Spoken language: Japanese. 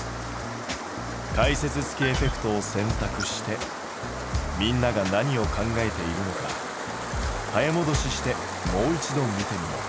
解説付きエフェクトを選択してみんなが何を考えているのか早もどししてもう一度見てみよう。